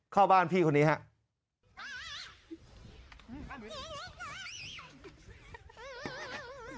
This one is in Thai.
เข้าบ้านพี่คนนี้ครับ